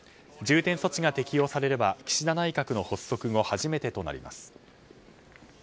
重点措置が適用されれば岸田内閣の発足後初めてとなります。